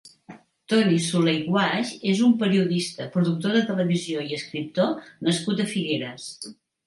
Toni Soler i Guasch és un periodista, productor de televisió i escriptor nascut a Figueres.